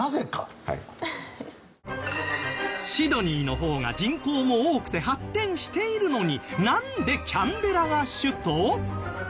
シドニーの方が人口も多くて発展しているのになんでキャンベラが首都？